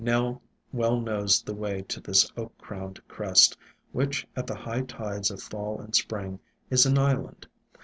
Nell well knows the way to this Oak crowned crest, which, at the high tides of Fall and Spring, is an island.